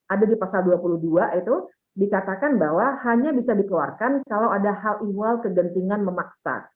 ada di pasal dua puluh dua itu dikatakan bahwa hanya bisa dikeluarkan kalau ada hal iwal kegentingan memaksa